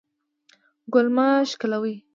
ګل مه شکولوئ